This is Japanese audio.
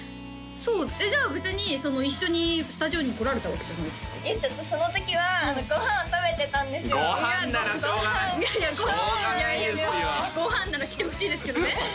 そうじゃあ別に一緒にスタジオに来られたわけじゃないですかいやちょっとその時はご飯を食べてたんですよご飯ならしょうがないいやいやご飯しょうがないですよご飯なら来てほしいですけどね